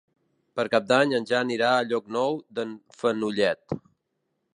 Per Cap d'Any en Jan irà a Llocnou d'en Fenollet.